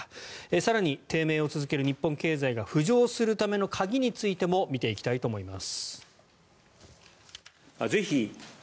更に、低迷を続ける日本経済が浮上するための鍵についても見ていきます。